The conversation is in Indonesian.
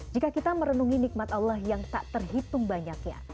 jika kita merenungi nikmat allah yang tak terhitung banyaknya